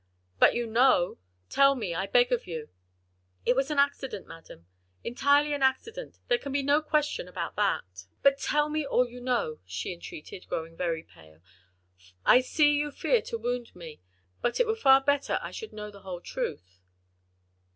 "But you know; tell me, I beg of you." "It was an accident, madam, entirely an accident: there can be no question about that." "But tell me all you know," she entreated, growing very pale. "I see you fear to wound me, but it were far better I should know the whole truth."